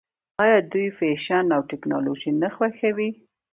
آیا دوی فیشن او ټیکنالوژي نه خوښوي؟